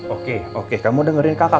oke oke kamu dengerin kakak